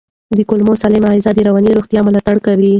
د کولمو سالمه غذا د رواني روغتیا ملاتړ کوي.